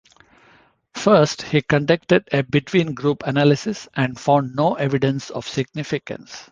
First he conducted a between-group analysis and found no evidence of significance.